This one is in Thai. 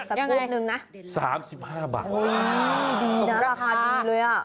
ยังไงสักลูกหนึ่งนะสามสิบห้าบาทโอ้โหดีนะราคาดีเลยอ่ะ